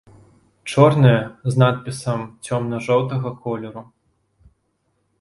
Чорная з надпісам цёмна-жоўтага колеру.